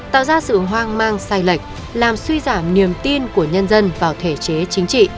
tạo ra sự hoang mang sai lệch làm suy giảm niềm tin của nhân dân vào thể chế chính trị